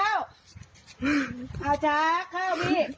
เอาจากเขา